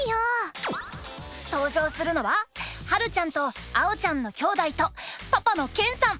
登場するのははるちゃんとあおちゃんのきょうだいとパパのけんさん。